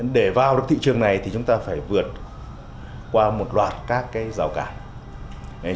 để vào đất thị trường này thì chúng ta phải vượt qua một loạt các cái rào cản